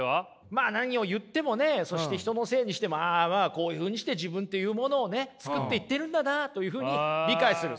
まあ何を言ってもねそして人のせいにしてもああまあこういうふうにして自分というものをね作っていっているんだなというふうに理解する。